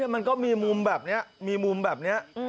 มันก็มีมุมแบบนี้มีมุมแบบนี้